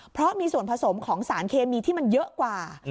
เพราะมีส่วนผสมของสารเคมีที่มันเยอะกว่า